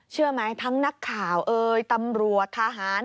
เชื่อไหมทั้งนักข่าวเอ่ยตำรวจทหาร